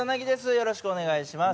よろしくお願いします。